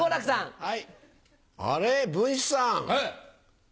はい！